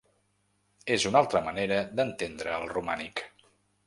És una altra manera d’entendre el romànic.